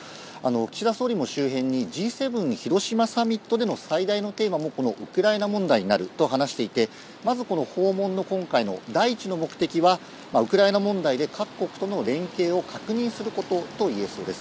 岸田総理も周辺にＧ７広島サミットでの最大のテーマもこのウクライナ問題になると話していてまずこの訪問の今回の第一の目的はウクライナ問題で各国との連携を確認することと言えそうです。